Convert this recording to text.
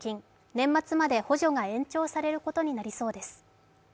年末まで補助が延長されることになりそうです。